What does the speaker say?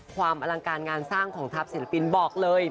ความอลังการงานสร้างของทัพศิลปินบอกเลย